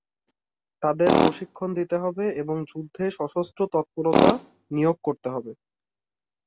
তাদের প্রশিক্ষণ দিতে হবে এবং যুদ্ধে সশস্ত্র তত্পরতা নিয়োগ করতে হবে।